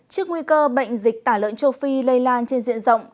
trước nguy cơ bệnh dịch tả lợn châu phi lây lan trên diện rộng